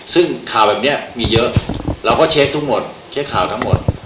ซึ่งข่าวแบบนี้มีเยอะเราก็เช็คทุกหมดเช็คข่าวทั้งหมด